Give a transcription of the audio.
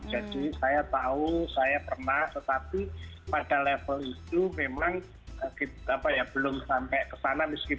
jadi saya tahu saya pernah tetapi pada level itu memang belum sampai ke sana